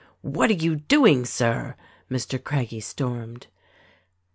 "What are you doing, Sir?" Mr. Craggie stormed.